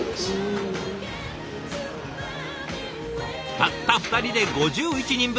たった２人で５１人分。